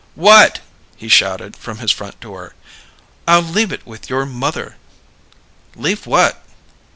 "What?" he shouted, from his front door. "I'll leave it with your mother." "Leave what?"